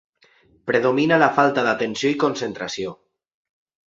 Predomina la falta d'atenció i concentració.